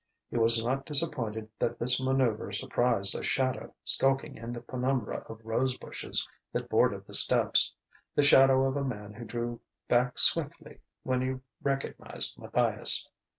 He was not disappointed that this manoeuvre surprised a shadow skulking in the penumbra of rose bushes that bordered the steps, the shadow of a man who drew back swiftly when he recognized Matthias.